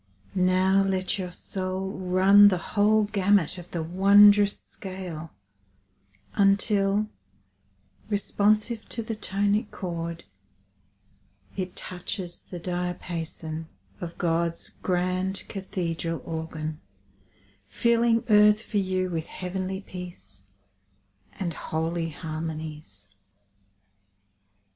Now let your soul run the whole gamut of the wondrous scale Until, responsive to the tonic chord, It touches the diapason of God's grand cathedral organ, Filling earth for you with heavenly peace And holy harmonies.